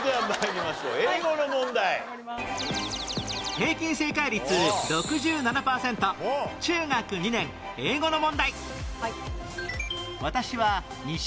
平均正解率６７パーセント中学２年英語の問題